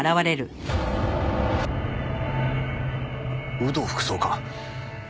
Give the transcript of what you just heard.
有働副総監！